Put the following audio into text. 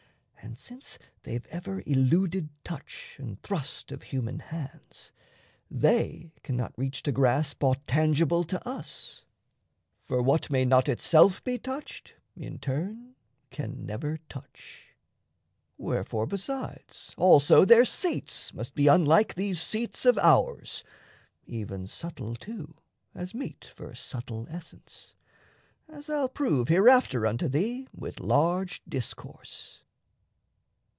And since they've ever eluded touch and thrust Of human hands, they cannot reach to grasp Aught tangible to us. For what may not Itself be touched in turn can never touch. Wherefore, besides, also their seats must be Unlike these seats of ours, even subtle too, As meet for subtle essence as I'll prove Hereafter unto thee with large discourse.